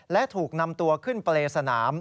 และถูกนำตัวขึ้นเปรย์สนาม